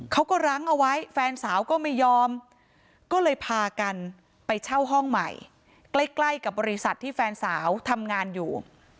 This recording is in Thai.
ครั้งเอาไว้แฟนสาวก็ไม่ยอมก็เลยพากันไปเช่าห้องใหม่ใกล้กับบริษัทที่แฟนสาวทำงานอยู่